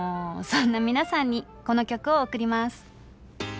そんな皆さんにこの曲を贈ります。